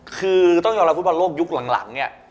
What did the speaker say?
คือต้องยอมรับฟุตบอลโลกยุคหลังเนี่ย